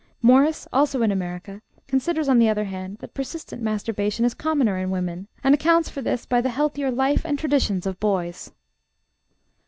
Morris, also in America, considers, on the other hand, that persistent masturbation is commoner in women, and accounts for this by the healthier life and traditions of boys.